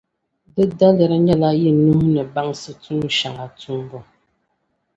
Di daliri nyɛla yi nuhi ni daŋsi tuun’ shɛŋa tumbu.